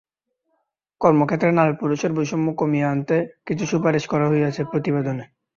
কর্মক্ষেত্রে নারী পুরুষের বৈষম্য কমিয়ে আনতে কিছু সুপারিশও করা হয়েছে প্রতিবেদনে।